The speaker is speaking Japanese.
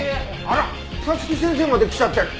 あら早月先生まで来ちゃってる。